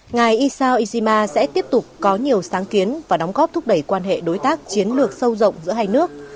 ngài isao izima sẽ tiếp tục có nhiều sáng kiến và đóng góp thúc đẩy quan hệ đối tác chiến lược sâu rộng giữa hai nước